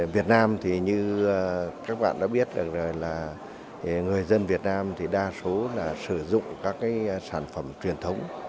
việt nam thì như các bạn đã biết được rồi là người dân việt nam thì đa số là sử dụng các sản phẩm truyền thống